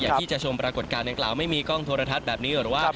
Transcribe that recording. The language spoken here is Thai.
ที่จะชมปรากฏการณ์ดังกล่าวไม่มีกล้องโทรทัศน์แบบนี้หรือว่า